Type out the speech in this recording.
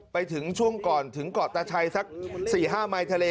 ไปถึงช่วงก่อนถึงเกาะตาชัยสัก๔๕ไมค์ทะเล